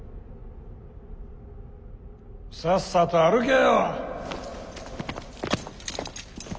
さっさと歩けよ。